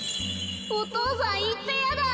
お父さんいっちゃやだ。